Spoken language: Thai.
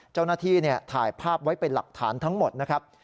เจ้าหน้าที่ถ่ายภาพไว้เป็นหลักฐานทั้งหมดนะครับ